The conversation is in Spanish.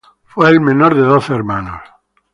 Fue el menor de doce hermanos.